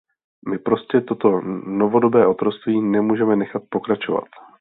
My prostě toto novodobé otroctví nemůžeme nechat pokračovat.